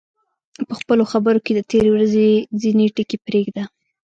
په خپلو خبرو کې د تېرې ورځې ځینې ټکي پرېږده.